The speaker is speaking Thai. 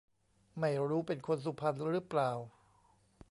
ไม่รู้เป็นคนสุพรรณรึเปล่า